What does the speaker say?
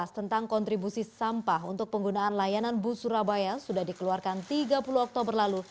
tentang kontribusi sampah untuk penggunaan layanan bus surabaya sudah dikeluarkan tiga puluh oktober lalu